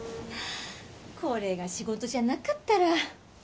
これが仕事じゃなかったら。